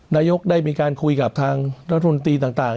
นายกได้มีการคุยกับทางนักฑนตรวจหน้าตรีต่าง